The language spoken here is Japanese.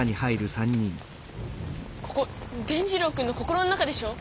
ここ伝じろうくんの心の中でしょ？